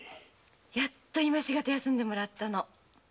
やっと今しがた休んでもらったのお銀さん